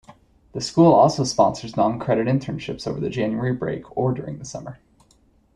The school also sponsors non-credit internships over the January break or during the summer.